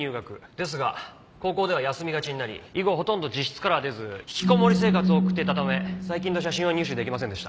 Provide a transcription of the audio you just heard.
ですが高校では休みがちになり以後ほとんど自室からは出ず引きこもり生活を送っていたため最近の写真は入手できませんでした。